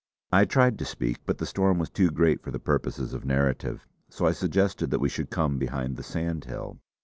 I tried to speak, but the storm was too great for the purposes of narrative. So I suggested that we should come behind the sandhill.